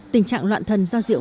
tình trạng loạn thần do rượu